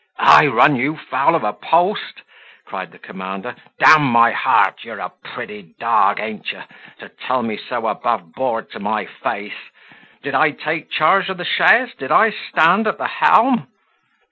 "I run you foul of a post!" cried the commander: "d my heart! you're a pretty dog, an't you, to tell me so above board to my face? Did I take charge of the chaise? Did I stand at the helm?"